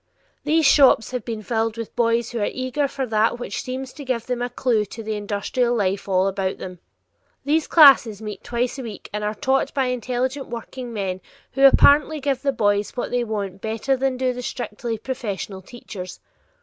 These shops have been filled with boys who are eager for that which seems to give them a clew to the industrial life all about them. These classes meet twice a week and are taught by intelligent workingmen who apparently give the boys what they want better than do the strictly professional teachers.